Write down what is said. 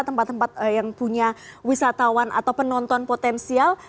tempat tempat yang punya wisatawan atau penonton potensial